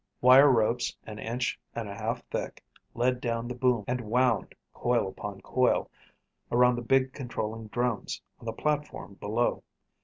Wire ropes an inch and a half thick led down the boom and wound, coil upon coil, around the big controlling drums on the platform below.